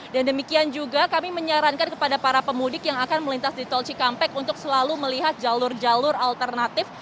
dan demikian juga kami menyarankan kepada para pemudik yang akan melintas di tol cikampek untuk selalu melihat jalur jalur alternatif